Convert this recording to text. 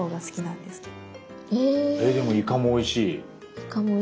でもイカもおいしい。